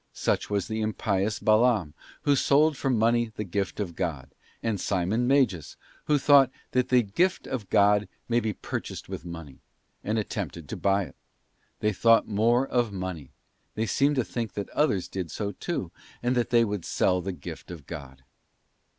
Such was the impious Balaam, who sold for money the gift of God,* and Simon Magus, who 'thought that the gift of God may be purchased with money,'f and attempted to buy it. They thought more of money; they seemed to think that others did so too, and that they would sell the gift of God.